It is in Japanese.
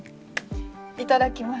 いただきます。